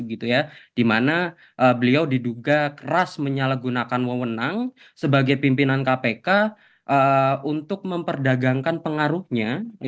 karena beliau diduga keras menyalahgunakan mwenang sebagai pimpinan kpk untuk memperdagangkan pengaruhnya